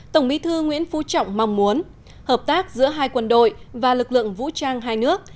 tổng bí thư nguyễn phú trọng mong muốn hợp tác giữa hai quân đội và lực lượng vũ trang hai nước